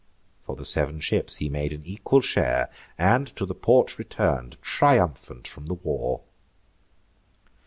For the sev'n ships he made an equal share, And to the port return'd, triumphant from the war.